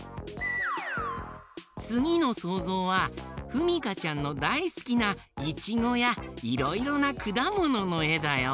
つぎのそうぞうはふみかちゃんのだいすきないちごやいろいろなくだもののえだよ。